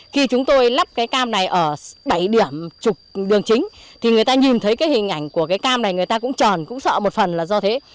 khi chúng tôi lắp cái cam này ở bảy điểm trục đường chính thì người ta nhìn thấy cái hình ảnh của cái cam này người ta cũng tròn cũng sợ một phần là do thế